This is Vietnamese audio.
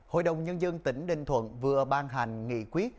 hội đồng nhân dân tỉnh ninh thuận vừa ban hành nghị quyết